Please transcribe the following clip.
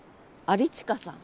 有近さん。